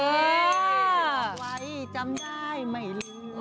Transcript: เอาไว้จำได้ไม่ลืม